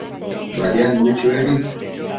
Badiadnubi chuebi